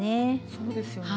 そうですよね